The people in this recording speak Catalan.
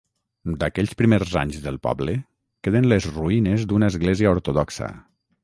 D'aquells primers anys del poble queden les ruïnes d'una església ortodoxa.